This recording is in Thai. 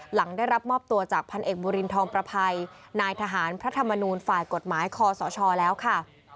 หลังได้รับมอบตัวจากพันเอกบุรินทองประภัยนายทหารพระธรรมนูลฝ่ายกฎหมายคอสชแล้วค่ะ